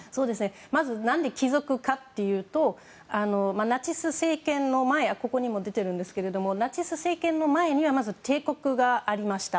まず何で貴族かというとナチス政権の前ここにも出ているんですがナチス政権の前には帝国がありました。